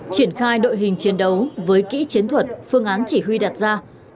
triển khai đội hình chiến đấu với kỹ chiến thuật phương án chỉ huy đặt ra